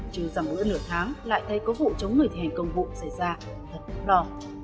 chứ rằng mỗi nửa tháng lại thấy có vụ chống người thi hành công vụ xảy ra thật đỏ